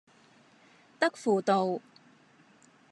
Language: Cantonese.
德輔道